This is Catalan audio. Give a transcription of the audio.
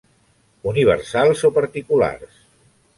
Universals, o particulars.